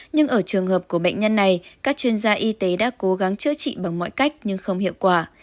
nhưng ở trường hợp của bệnh nhân này các chuyên gia y tế đã cố gắng chữa trị bằng mọi cách nhưng không hiệu quả